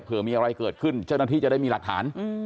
เพื่อมีอะไรเกิดขึ้นเจ้าหน้าที่จะได้มีหลักฐาน